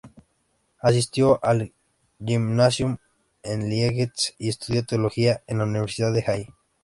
Asistió al gymnasium en Liegnitz y estudió teología en la universidad de Halle.